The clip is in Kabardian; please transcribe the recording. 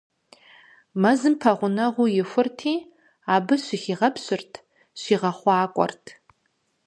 Мэзым пэгъунэгъуу ихурти, абы щыхигъэпщырт, щигъэхъуакӏуэрт.